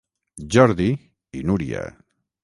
Jordi i Núria.